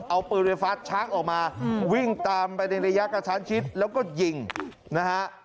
เอาปืนไฟฟ้าช้างออกมาวิ่งตามไปในระยะกระชั้นชิดแล้วก็ยิงนะฮะ